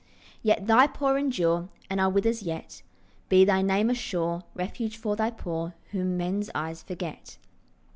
Yet thy poor endure, And are with us yet; Be thy name a sure Refuge for thy poor Whom men's eyes forget.